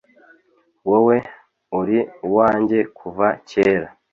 Wowe uri uwanjye kuva kera